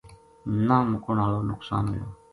نہ مُکن ہالو نقصان ہویو